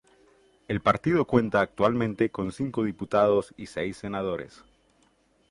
El partido cuenta actualmente con cinco diputados y seis senadores.